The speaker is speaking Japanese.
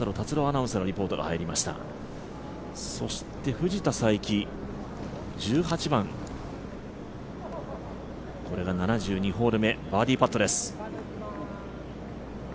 藤田さいき、１８番、これが７２ホール目、バーディーパットです。